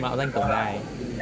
mạo danh tổng đài